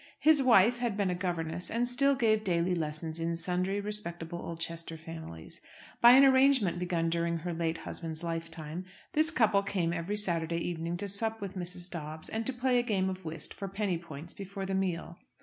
His wife had been a governess, and still gave daily lessons in sundry respectable Oldchester families. By an arrangement begun during her late husband's lifetime, this couple came every Saturday evening to sup with Mrs. Dobbs, and to play a game of whist for penny points before the meal.